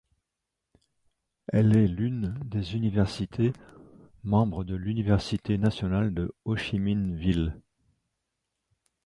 Elle est l'une des universités membres de l'université nationale de Hô-Chi-Minh-Ville.